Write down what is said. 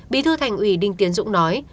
bí thư thành ủy đinh tiến dũng nói